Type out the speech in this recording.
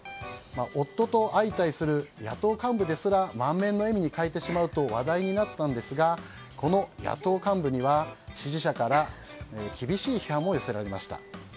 夫と相対する野党幹部ですら満面の笑みに変えてしまうと話題になったんですがこの野党幹部には支持者から厳しい批判も寄せられました。